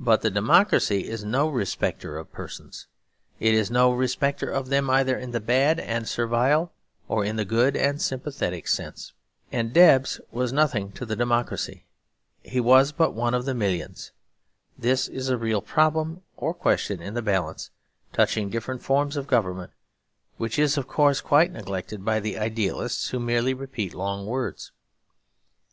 But democracy is no respecter of persons. It is no respecter of them, either in the bad and servile or in the good and sympathetic sense. And Debs was nothing to democracy. He was but one of the millions. This is a real problem, or question in the balance, touching different forms of government; which is, of course, quite neglected by the idealists who merely repeat long words.